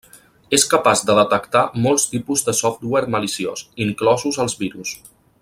És capaç de detectar molts tipus de software maliciós, inclosos els virus.